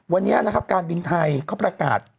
วันนี้นะครับการบินไทยเขาประกาศ